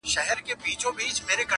سړی راوستی عسکرو و قاضي ته,